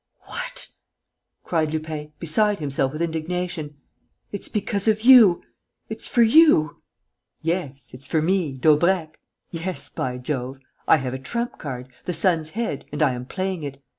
"What!" cried Lupin, beside himself with indignation. "It's because of you, it's for you...." "Yes, it's for me, Daubrecq; yes, by Jove! I have a trump card, the son's head, and I am playing it.